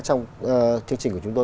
trong chương trình của chúng tôi